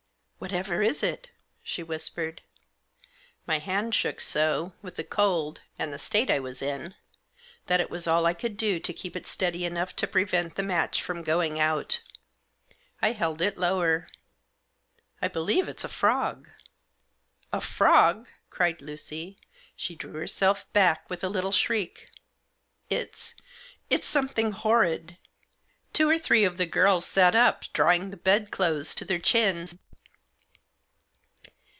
" Whatever is it ?" she whispered. My hand shook so, with the cold, and the state I was in, that it was all I could do to keep it steady enough to prevent the match from going out. I held it lower. " I believe it's a frog." " A frog !" cried Lucy. She drew herself back with a little shriek. " It's — it's something horrid." Digitized by 26 THE JOSS. Two or three of the girls sat up, drawing the bed clothes to their chins.